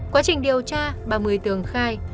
quá trình điều tra bà mười tường khai